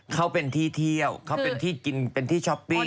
เขาเป็นที่เที่ยวเขาเป็นที่กินเป็นที่ช้อปปิ้ง